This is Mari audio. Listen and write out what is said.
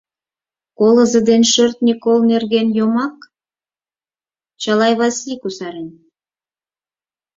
Колызо ден шӧртньӧ кол нерген йомак, Чалай Васлий кусарен